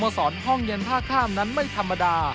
สอนห้องเย็นท่าข้ามนั้นไม่ธรรมดา